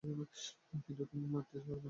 কিন্তু তুমি আমাকে মারতে পারবে না, লুইস।